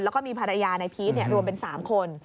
แล้วก็มีภรรยานายพีชรวมเป็น๓คน